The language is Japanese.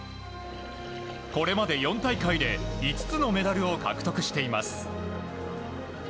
これまで４大会で５つのメダルを獲得しています。